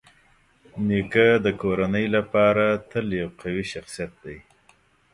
نیکه د کورنۍ لپاره تل یو قوي شخصيت دی.